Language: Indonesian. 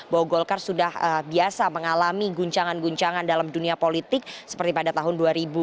bahwa golkar sudah biasa mengalami guncangan guncangan dalam dunia politik seperti pada tahun dua ribu empat